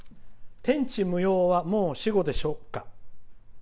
「天地無用はもう死語でしょうか？」。